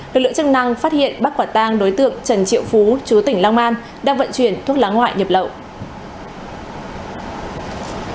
lực lượng chức năng phát hiện bắt quả tang đối tượng trần triệu phú chú tỉnh long an đang vận chuyển thuốc lá ngoại nhập lậu